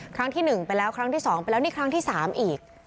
ครั้งที่หนึ่งไปแล้วครั้งที่สองไปแล้วนี่ครั้งที่สามอีก